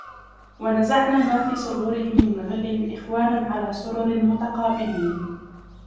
وَنَزَعْنَا مَا فِي صُدُورِهِمْ مِنْ غِلٍّ إِخْوَانًا عَلَى سُرُرٍ مُتَقَابِلِينَ